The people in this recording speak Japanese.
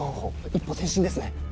一歩前進ですね。